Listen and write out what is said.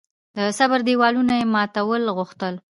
د صبر دېوالونه یې ماتول غوښتل.